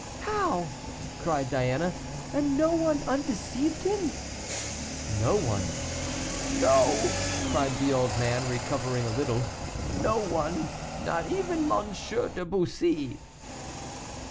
"How!" cried Diana; "and no one undeceived him?" "No one." "No," cried the old man, recovering a little, "no one, not even M. de Bussy."